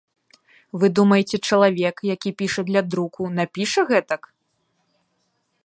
Вы думаеце, чалавек, які піша для друку, напіша гэтак?